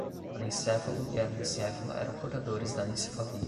O anencéfalo e a anencéfala eram portadores da anencefalia